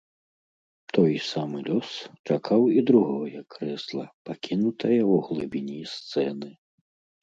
Той самы лёс чакаў і другое крэсла, пакінутае ў глыбіні сцэны.